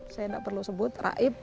saya nggak perlu sebut raif